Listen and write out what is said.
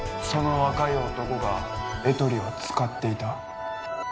その若い男がエトリを使っていた？